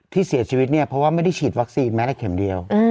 ที่เสียชีวิตเนี่ยเพราะว่าไม่ได้ฉีดวัคซีนแม้แต่เข็มเดียว